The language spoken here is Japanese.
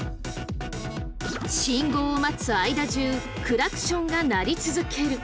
信号を待つ間中クラクションが鳴り続ける。